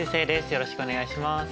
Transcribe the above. よろしくお願いします。